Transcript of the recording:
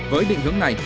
với định hướng này